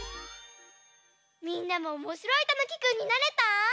みんなもおもしろいたぬきくんになれた？